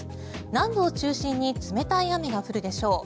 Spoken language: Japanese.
南部を中心に冷たい雨が降るでしょう。